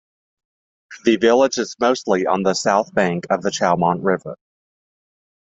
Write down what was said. The village is mostly on the south bank of the Chaumont River.